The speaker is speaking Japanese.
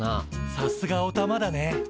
さすがおたまだね。